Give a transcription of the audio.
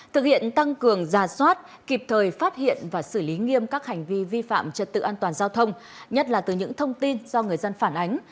thực hiện tăng cường giả soát kịp thời phát hiện và xử lý nghiêm các hành vi vi phạm trật tự an toàn giao thông nhất là từ những thông tin do người dân phản ánh